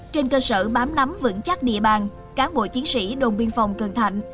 trên cơ sở bám nắm vững chắc địa bàn cán bộ chiến sĩ đồn biên phòng cần thạnh